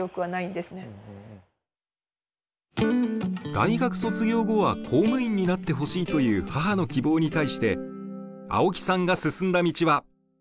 大学卒業後は公務員になってほしいという母の希望に対して青木さんが進んだ道は。